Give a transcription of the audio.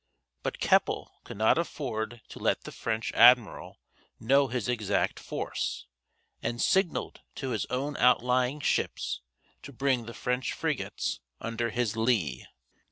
But Keppel could not afford to let the French admiral know his exact force, and signalled to his own outlying ships to bring the French frigates under his lee.